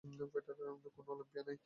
কোনো অলিম্পিয়া নেই।